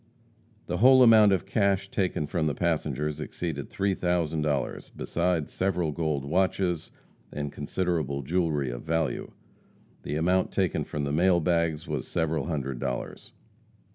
The whole amount of cash taken from the passengers exceeded three thousand dollars, besides several gold watches, and considerable jewelry of value. The amount taken from the mail bags was several hundred dollars.